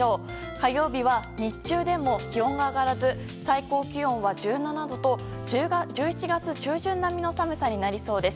火曜日は日中でも気温が上がらず最高気温は１７度と１１月中旬並みの寒さになりそうです。